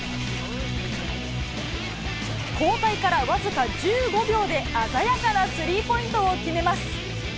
交代から僅か１５秒で、鮮やかなスリーポイントを決めます。